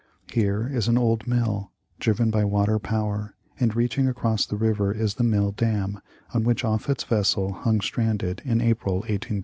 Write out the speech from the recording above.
Here is an old mill, driven by water power, and reaching across the river is the mill dam on which Offut's vessel hung stranded in April, 183 1.